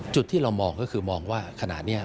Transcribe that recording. จุดที่เรามองก็คือมองว่าขณะนี้